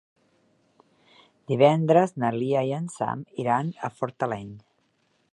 Divendres na Lia i en Sam iran a Fortaleny.